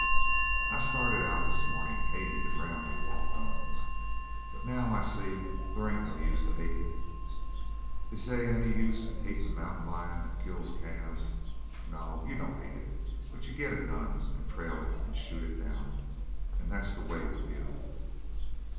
"I started out this mornin' hatin' the ground you walked on, but now I see that they ain't no use to hate you. Is they any use hatin' a mountain lion that kills calves? No, you don't hate it, but you get a gun and trail it and shoot it down. And that's the way with you."